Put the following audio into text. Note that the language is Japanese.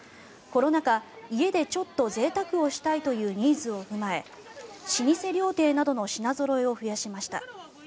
コロナ禍、家でちょっとぜいたくをしたいというニーズを踏まえ老舗料亭などの品ぞろえを増やしました。